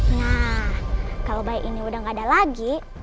nah kalau bayi ini udah gak ada lagi